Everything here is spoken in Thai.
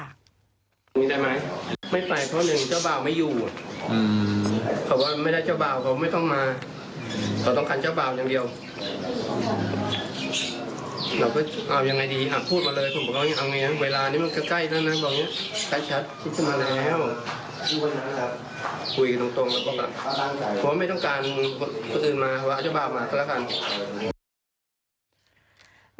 เรื่องนี้มีข้อมูลออกมาทั้ง๒ฝ่ายแล้วก็ข้อมูลค่อนข้างซับซ้อนเหมือนกันนะครับ